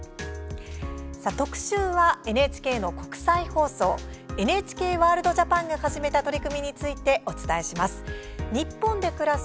特集はＮＨＫの国際放送ＮＨＫワールドＪＡＰＡＮが始めた取り組みについてお伝えします。